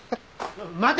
待て！